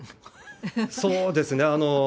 そうですね。